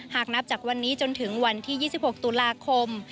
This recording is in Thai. หากนับจากวันนี้จนถึงวันที่๒๖ตุลาคม